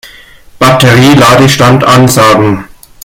Batterie-Ladestand ansagen.